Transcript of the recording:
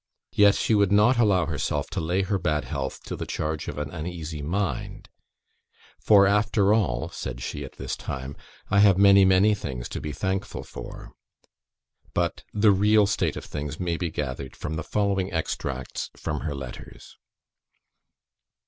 Yet she would not allow herself to lay her bad health to the charge of an uneasy mind; "for after all," said she at this time, "I have many, many things to be thankful for." But the real state of things may be gathered from the following extracts from her letters.